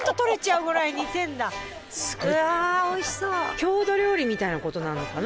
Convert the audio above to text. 郷土料理みたいな事なのかな。